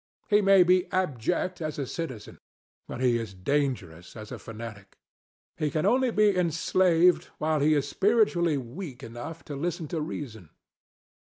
He may be abject as a citizen; but he is dangerous as a fanatic. He can only be enslaved whilst he is spiritually weak enough to listen to reason.